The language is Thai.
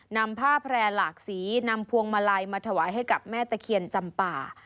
นำผ้าแพร่หลากสีนำพวงมาลัยมาถวายให้กับแม่ตะเคียนจำป่า